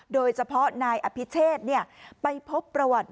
โดยเฉพาะนายอภิเชษไปพบประวัติ